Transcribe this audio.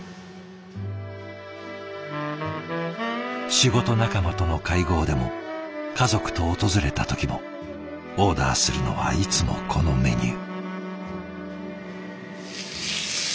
仕事仲間との会合でも家族と訪れた時もオーダーするのはいつもこのメニュー。